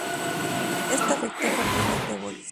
Esto afectó fuertemente a Boris.